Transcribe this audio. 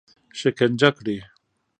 شکنجه کړي.